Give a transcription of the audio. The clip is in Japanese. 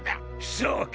そうか。